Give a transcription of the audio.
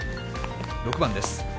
６番です。